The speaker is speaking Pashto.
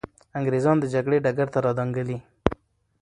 انګریزان د جګړې ډګر ته را دانګلي.